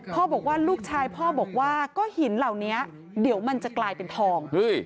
บอกว่าลูกชายพ่อบอกว่าก็หินเหล่านี้เดี๋ยวมันจะกลายเป็นทอง